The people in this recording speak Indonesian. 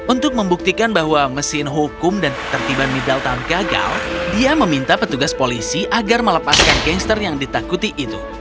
untuk membuktikan bahwa mesin hukum dan ketertiban middletown gagal dia meminta petugas polisi agar melepaskan gangster yang ditakuti itu